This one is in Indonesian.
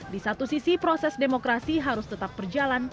di satu sisi proses demokrasi harus tetap berjalan